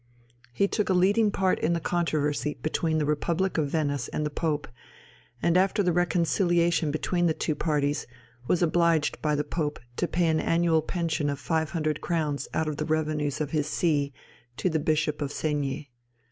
He took a leading part in the controversy between the Republic of Venice and the Pope, and after the reconciliation between the two parties was obliged by the Pope to pay an annual pension of five hundred crowns out of the revenues of his see to the Bishop of Segni.